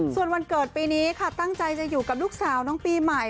ส่วนวันเกิดปีนี้ค่ะตั้งใจจะอยู่กับลูกสาวน้องปีใหม่